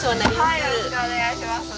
よろしくお願いします。